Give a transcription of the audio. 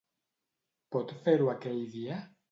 Pot fer-ho aquell dia?